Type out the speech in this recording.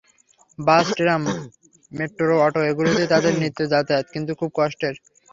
বাস, tram, metro, auto এগুলোতেই তাঁদের নিত্য যাতায়াত, কিন্তু খুব কষ্টের।